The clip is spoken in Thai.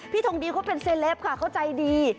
ทงดีเขาเป็นเซลปค่ะเขาใจดี